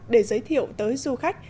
để giới thiệu tới du khách